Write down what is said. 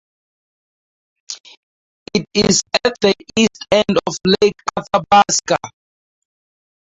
It is at the east end of Lake Athabasca.